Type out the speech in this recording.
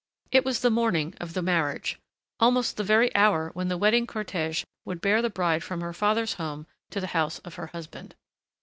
It was the morning of the marriage, almost the very hour when the wedding cortège would bear the bride from her father's home to the house of her husband.